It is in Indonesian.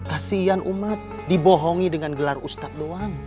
kasian umat dibohongi dengan gelar ustadz doang